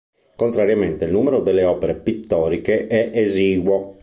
Contrariamente, il numero delle opere pittoriche è esiguo.